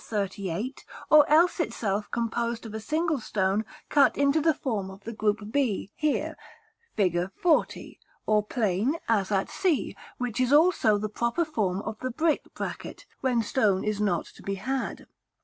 XXXVIII., or else itself composed of a single stone cut into the form of the group b here, Fig. XL., or plain, as at c, which is also the proper form of the brick bracket, when stone is not to be had.